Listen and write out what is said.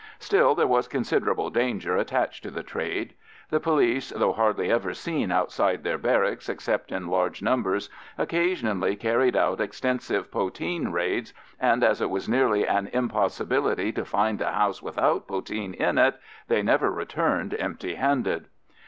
Still there was considerable danger attached to the trade. The police, though hardly ever seen outside their barracks except in large numbers, occasionally carried out extensive poteen raids, and as it was nearly an impossibility to find a house without poteen in it, they never returned empty handed.